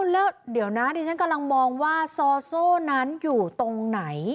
แล้วเดี๋ยวนะดิฉันกำลังมองว่าซอโซ่นั้นอยู่ตรงไหน